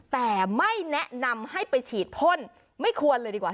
แต่ไม่แนะนำให้ไปฉีดพ่นไม่ควรเลยดีกว่า